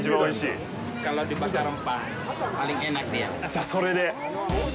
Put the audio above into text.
じゃあ、それで！